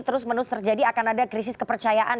terus menerus terjadi akan ada krisis kepercayaan